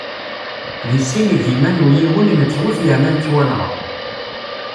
Di sin igiman u yiwen nettwet yerna nettwanɣa.